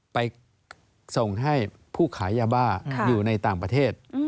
ไปส่งให้ผู้ขายยาบ้าอยู่ในต่างประเทศ